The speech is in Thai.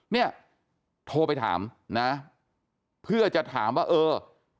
เนี่ยโทรไปถามนะเพื่อจะถามว่าเออ